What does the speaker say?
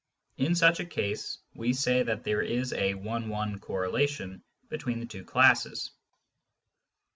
In such a case we say that there is a " one one correlation " between the two classes.